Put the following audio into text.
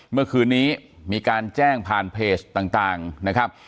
เมื่อคืนนี้มีการแจ้งผ่านเพจต่างนะครับ